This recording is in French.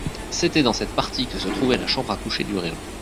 C'était dans cette partie que se trouvait la chambre à coucher du régent.